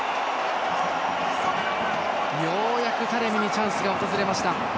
ようやくタレミにチャンスが訪れました。